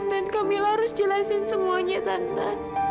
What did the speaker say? dan camilla harus jelasin semuanya tante